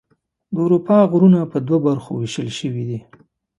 د اروپا غرونه په دوه برخو ویشل شوي دي.